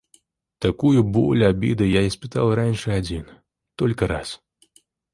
Такую боль обиды я испытал раньше один только раз.